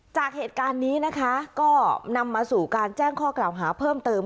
จากเหตุการณ์นี้นะคะก็นำมาสู่การแจ้งข้อกล่าวหาเพิ่มเติม